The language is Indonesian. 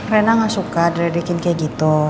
rena gak suka dradikin kayak gitu